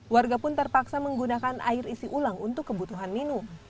warga pun terpaksa menggunakan air isi ulang untuk kebutuhan minum